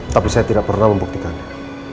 tapi saya tidak pernah membuktikannya